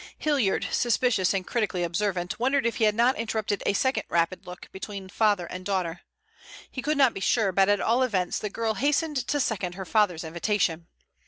Hilliard, suspicious and critically observant, wondered if he had not interrupted a second rapid look between father and daughter. He could not be sure, but at all events the girl hastened to second her father's invitation.